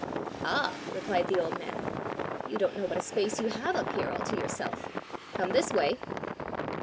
"Ah," replied the old man, "you don't know what a space you have up here all to yourself! Come this way."